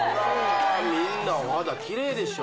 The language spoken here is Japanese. みんなお肌キレイでしょ